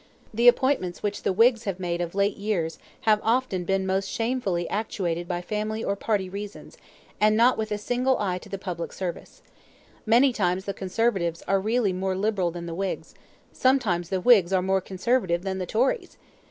The appointments which the Whigs have made of late years have often been most shamefully actuated by family or party reasons, and not with a single eye to the public service. Many times the Conservatives are really more liberal than the Whigs sometimes the Whigs are more Conservative than the Tories.